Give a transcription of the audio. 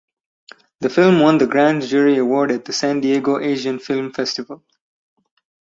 The film won the Grand Jury Award at the San Diego Asian Film Festival.